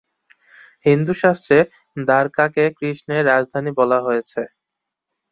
হিন্দুশাস্ত্রে দ্বারকাকে কৃষ্ণের রাজধানী বলা হয়েছে।